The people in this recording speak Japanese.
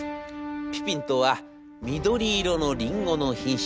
ピピンとは緑色のリンゴの品種。